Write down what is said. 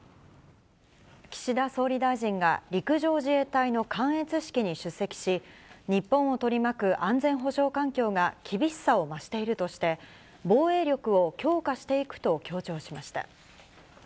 岸田総理大臣が陸上自衛隊の観閲式に出席し、日本を取り巻く安全保障環境が厳しさを増しているとして、防衛力を強化していくと強調しました。